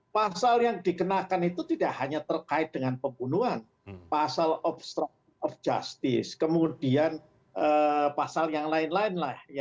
pasal yang dikenakan itu tidak hanya terkait dengan pembunuhan pasal obstruction of justice kemudian pasal yang lain lain lah